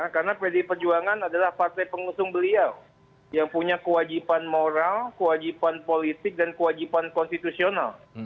karena pdi perjuangan adalah partai pengusung beliau yang punya kewajipan moral kewajipan politik dan kewajipan konstitusional